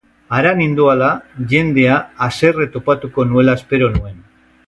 Hara nindoala, jendea haserre topatuko nuela espero nuen.